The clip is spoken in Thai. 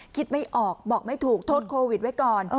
คิดไม่ออกบอกไม่ถูกโทษโควิดไว้ก่อน